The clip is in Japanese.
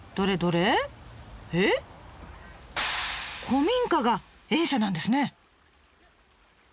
古民家が園舎なんですね。